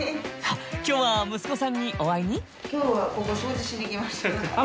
今日は息子さんにお会いに？